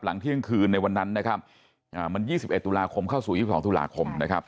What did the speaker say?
เที่ยงคืนในวันนั้นนะครับมัน๒๑ตุลาคมเข้าสู่๒๒ตุลาคมนะครับ